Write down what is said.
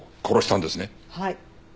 はい。